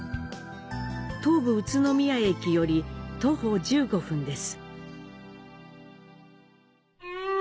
東武宇都宮駅より徒歩１５分です。